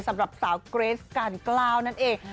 สำหรับสาวเกรสการกล้าวนั่นเอง